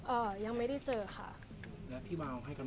เอ่อยังไม่ได้เจอค่ะ